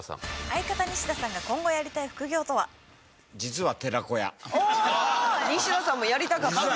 相方西田さんが今後やりたい副業とは？